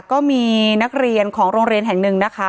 ก็มีนักเรียนของโรงเรียนแห่งหนึ่งนะคะ